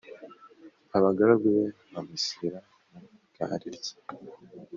Abagaragu be bamushyira mu igare rye